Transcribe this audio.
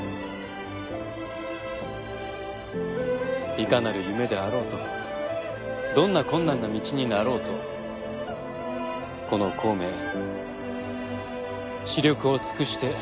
いかなる夢であろうとどんな困難な道になろうとこの孔明死力を尽くしてお助けいたします。